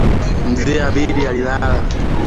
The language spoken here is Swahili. Mzee Abdi alilala.